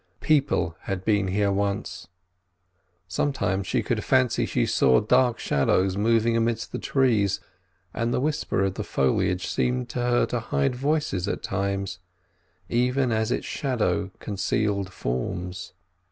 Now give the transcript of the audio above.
People had been here once; sometimes she could fancy she saw dark shadows moving amidst the trees, and the whisper of the foliage seemed to her to hide voices at times, even as its shadow concealed forms.